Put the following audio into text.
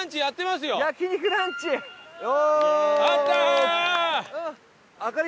あったー！